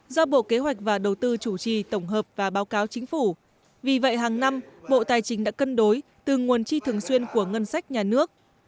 do bộ kế hoạch và đầu tư chủ trì tổng hợp và báo cáo chính phủ vì vậy hàng năm bộ tài chính đã cân đối từ nguồn chi thường xuyên của ngân sách nhà nước